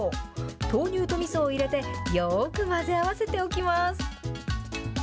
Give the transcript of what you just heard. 豆乳とみそを入れて、よーく混ぜ合わせておきます。